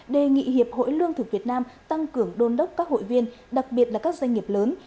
đề nghị hiệp hội lương thực việt nam tăng cường đôn đốc các hội viên đặc biệt là các doanh nghiệp lớn